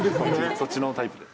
そっちのタイプです。